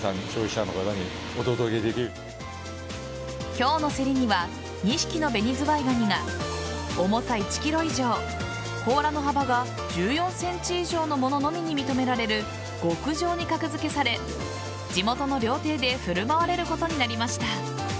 今日の競りには２匹のベニズワイガニが重さ１ｋｇ以上甲羅の幅が１４ｃｍ以上のもののみに認められる極上に格付けされ地元の料亭で振る舞われることになりました。